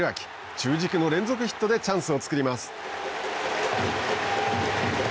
中軸の連続ヒットでチャンスを作ります。